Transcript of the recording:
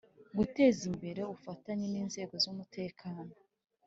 Guteza imbere ubufatanye n’ inzego z’ umutekano